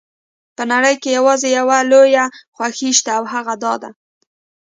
په نړۍ کې یوازې یوه لویه خوښي شته او هغه دا ده.